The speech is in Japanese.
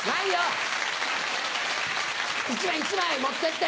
１枚持ってって！